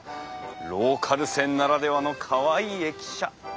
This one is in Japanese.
ローカル線ならではのかわいい駅舎！